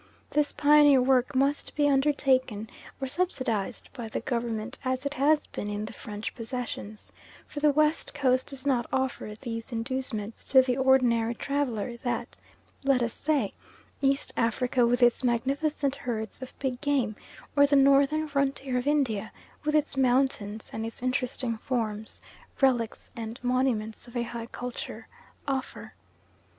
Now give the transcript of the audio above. This pioneer work must be undertaken, or subsidised by the Government as it has been in the French possessions, for the West Coast does not offer those inducements to the ordinary traveller that, let us say, East Africa with its magnificent herds of big game, or the northern frontier of India, with its mountains and its interesting forms, relics, and monuments of a high culture, offer.